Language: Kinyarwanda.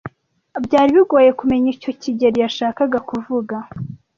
Byari bigoye kumenya icyo kigeli yashakaga kuvuga.